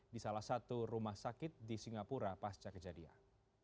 di salah satu rumah sakit di singapura pasca kejadian